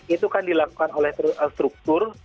itu kan dilakukan oleh struktur